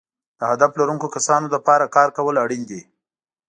د هدف لرونکو کسانو لپاره کار کول اړین دي.